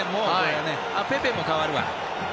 ペペも代わるわ。